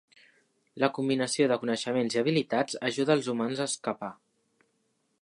La combinació de coneixements i habilitats ajuda els humans a escapar.